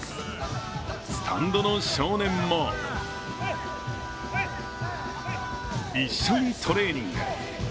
スタンドの少年も一緒にトレーニング。